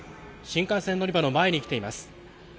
新幹線乗り場の前に来ています。